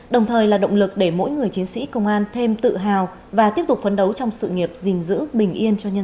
đồng thời là động lực để mỗi người chiến sĩ công an thêm tự hào và tiếp tục phấn đấu trong sự nghiệp gìn giữ bình yên cho nhân dân